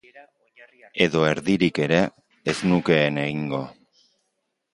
Edo erdirik ere ez nukeen egingo.